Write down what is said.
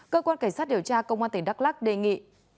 cơ quan cảnh sát điều tra công an tỉnh đắk lắc đề nghị